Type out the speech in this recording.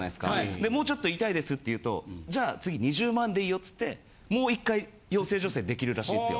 でもうちょっといたいですって言うとじゃあ次２０万でいいよっつってもう１回養成所生できるらしいんですよ。